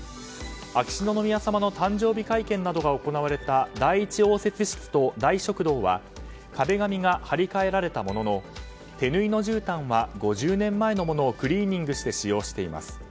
秋篠宮さまの誕生日会見などが行われた第１応接室と大食堂は壁紙が貼り替えられたものの手縫いのじゅうたんは５０年前のものをクリーニングして使用しています。